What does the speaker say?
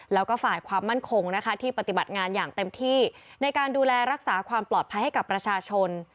แล้วก็ฝ่ายความมั่นคงนะคะที่ปฏิบัติงานอย่างเต็มที่ในการดูแลรักษาความปลอดภัยให้กับประชาชน